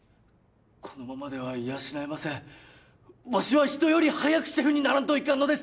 このままでは養えませんわしは人より早くシェフにならんといかんのです